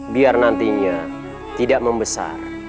biar nantinya tidak membesar